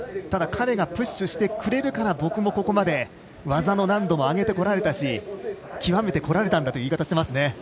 ただ彼がプッシュしてくれるから僕もここまで技の難度も上げてこられたし極めてこられたんだという言い方をしていますね。